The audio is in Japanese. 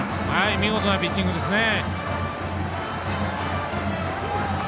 見事なピッチングですね。